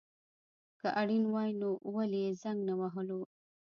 که اړين وای نو ولي يي زنګ نه وهلو